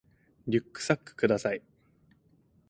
リュックサックください